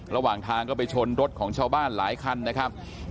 ระหว่างทางก็ไปชนรถของชาวบ้านหลายคันนะครับ